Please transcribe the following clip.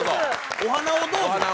お花をどうぞ？